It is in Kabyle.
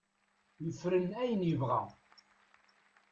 Yefren ayen yebɣa.